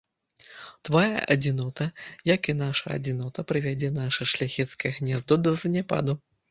Твая адзінота, як і наша адзінота, прывядзе наша шляхецкае гняздо да заняпаду.